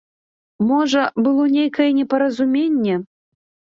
Можа, было нейкае непаразуменне.